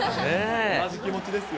同じ気持ちですよ。